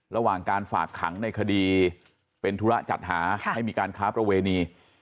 ระหว่างการฝากขังในคดีเป็นธุระจัดหาให้มีการค้าประเวณี